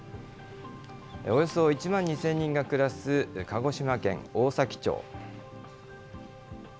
およそ１万２０００人が暮らす鹿児島県大崎町。